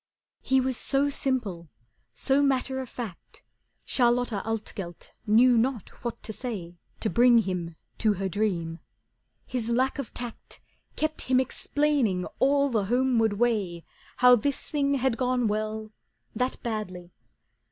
He was so simple, so matter of fact, Charlotta Altgelt knew not what to say To bring him to her dream. His lack of tact Kept him explaining all the homeward way How this thing had gone well, that badly.